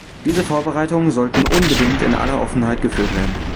Diese Vorbereitungen sollten unbedingt in aller Offenheit geführt werden.